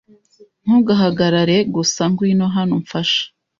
Ntugahagarare gusa. Ngwino hano umfashe.